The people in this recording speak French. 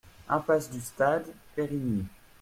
Impasse du Stade, Périgny